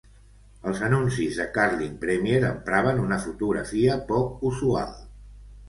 Els anuncis de Carling Premier empraven una fotografia poc usual.